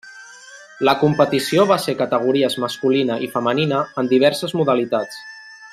La competició va ser categories masculina i femenina en diverses modalitats.